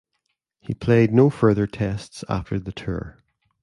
He played no further Tests after the tour.